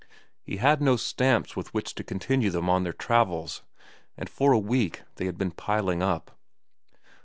He had no stamps with which to continue them on their travels, and for a week they had been piling up.